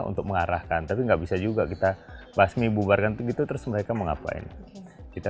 untuk mengarahkan tapi nggak bisa juga kita basmi bubarkan begitu terus mereka mau ngapain kita